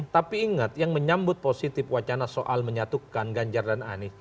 tapi ingat yang menyambut positif wacana soal menyatukan ganjar dan anies